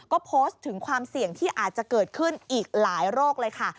ก็โพสต์ถึงความเสี่ยงที่อาจจะเกิดขึ้นอีกหลายโรคเลยค่ะ